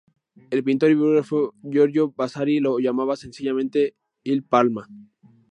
El pintor y biógrafo Giorgio Vasari lo llamaba sencillamente Il Palma.